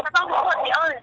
cho bốn người